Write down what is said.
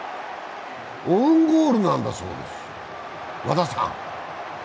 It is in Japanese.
オウンゴールなんだそうです。